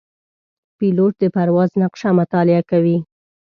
پیلوټ د پرواز نقشه مطالعه کوي.